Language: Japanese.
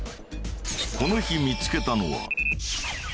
この日見つけたのは。